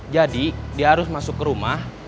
jadi dia harus masuk ke rumah